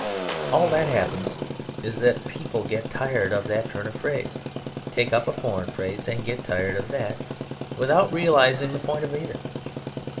All that happens is that people get tired of that turn of phrase, take up a foreign phrase and get tired of that, without realising the point of either.